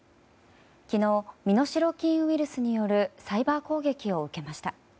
昨日、身代金ウイルスによるサイバー攻撃を受けました。